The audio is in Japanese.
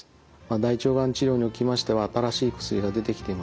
大腸がん治療におきましては新しい薬が出てきています。